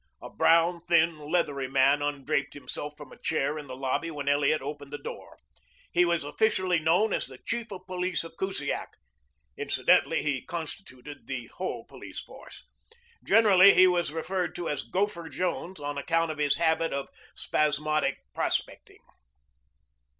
A brown, thin, leathery man undraped himself from a chair in the lobby when Elliot opened the door. He was officially known as the chief of police of Kusiak. Incidentally he constituted the whole police force. Generally he was referred to as Gopher Jones on account of his habit of spasmodic prospecting.